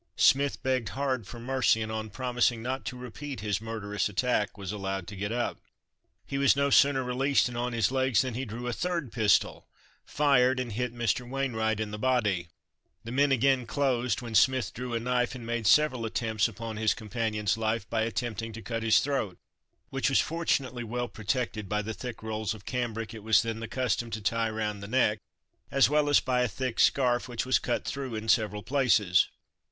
Smith begged hard for mercy, and on promising not to repeat his murderous attack, was allowed to get up. He was no sooner released and on his legs than he drew a third pistol, fired, and hit Mr. Wainwright in the body. The men again closed, when Smith drew a knife and made several attempts upon his companion's life by attempting to cut his throat, which was fortunately well protected by the thick rolls of cambric it was then the custom to tie round the neck, as well as by a thick scarf, which was cut through in several places.